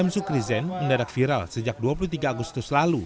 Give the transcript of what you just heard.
sum sukri zen mendadak viral sejak dua puluh tiga agustus lalu